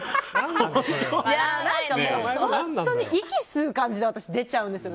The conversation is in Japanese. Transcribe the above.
本当に息吸う感じで私、出ちゃうんですよ。